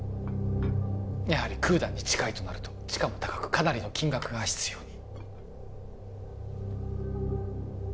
やはりクーダンに近いとなると地価も高くかなりの金額が必要に？